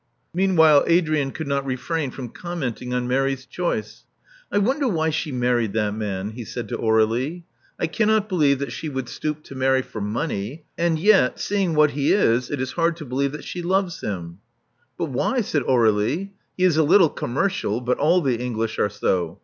Meanwhile Adrian could not refrain from comment ing on Mary's choice. I wonder why she married that man," he said to Aurdlie. I cannot believe that she would stoop to marry for money ; any yet, seeing what he is, it is hard to believe that she loves him." But why?" said Aurdlie. He is a little com mercial; but all the English are so.